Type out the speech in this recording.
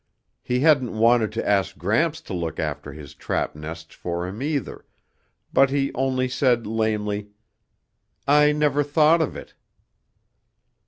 He hadn't wanted to ask Gramps to look after his trap nests for him either, but he only said lamely, "I never thought of it."